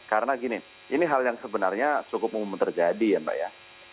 karena gini ini hal yang sebenarnya cukup umum terjadi ya mbak ya